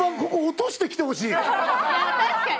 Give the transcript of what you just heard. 確かに。